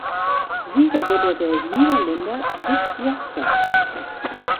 Sieger wurde der Niederländer Dick Jaspers.